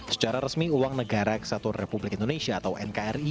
secara resmi uang negara kesatuan republik indonesia atau nkri